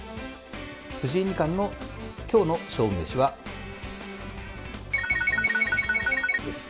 藤井二冠のきょうの勝負メシは、×××です。